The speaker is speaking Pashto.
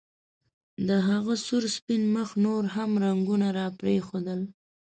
د هغه سور سپین مخ نور هم رنګونه راپرېښودل